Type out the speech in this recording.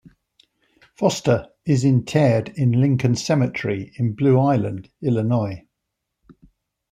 Foster is interred in Lincoln Cemetery in Blue Island, Illinois.